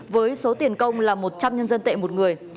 với số tiền công là một trăm linh nhân dân tệ một người